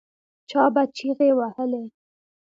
چا به چیغې وهلې.